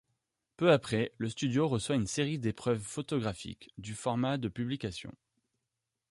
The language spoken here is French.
Peu après, le studio reçoit une série d'épreuves photographiques, du format de publication.